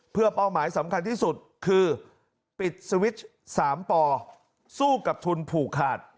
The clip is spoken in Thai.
เพื่อเป้าหมายสำคัญที่สุดคือปิดสวิตช์๓ปสู้กับทุนผูกขาด